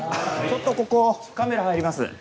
ちょっとここカメラ入ります。